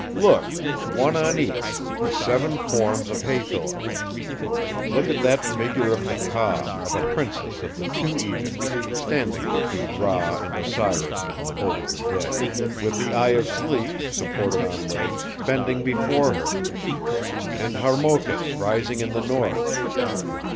Look! one on each, the seven forms of Hathor. Look at that figure of the Ka of a Princess of the Two Egypts, standing between Ra and Osiris in the Boat of the Dead, with the Eye of Sleep, supported on legs, bending before her; and Harmochis rising in the north.